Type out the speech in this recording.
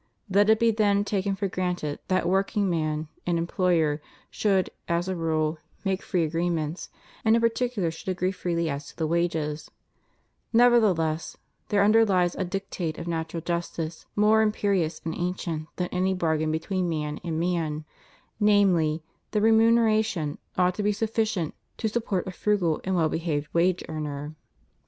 Let it be then taken for granted that workman and employer should, as a rule, make free agreements, and in particular should agree freely as to the wages; nevertheless, there underhes a dictate of natural justice more imperious and ancient than any bargain between man and man, namely, that remuneration ought to be sufficient to sup port a frugal and well behaved wage earner.